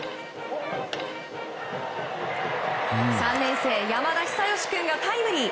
３年生、山田久敬君がタイムリー。